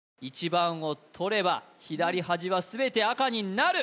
１番を取れば左端は全て赤になる！